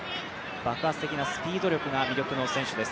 爆発的なスピード力が魅力の選手です。